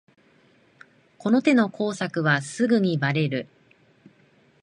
この手の工作はすぐにバレる